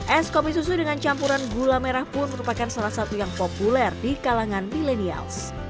es kopi susu dengan campuran gula merah pun merupakan salah satu yang populer di kalangan millennials